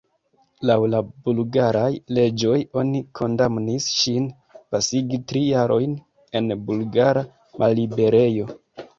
Laŭ la bulgaraj leĝoj oni kondamnis ŝin pasigi tri jarojn en bulgara malliberejo.